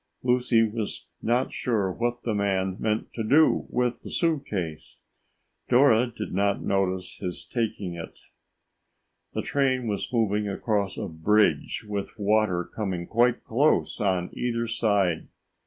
Lucy was not sure what the man meant to do with the suit case. Dora did not notice his taking it. The train was moving across a bridge with water coming quite close on either side.